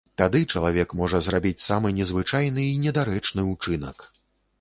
Тады чалавек можа зрабіць самы незвычайны і недарэчны ўчынак.